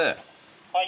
はい。